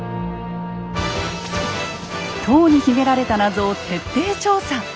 塔に秘められた謎を徹底調査。